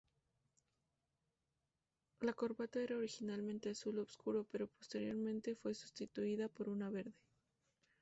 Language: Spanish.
La corbata era originalmente azul oscuro pero posteriormente fue sustituida por una verde.